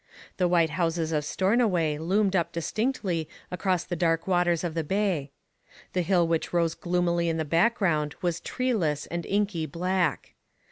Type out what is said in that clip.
The white houses of Stornoway loomed up distinctly across the dark waters of the bay. The hill which rose gloomily in the background was treeless and inky black.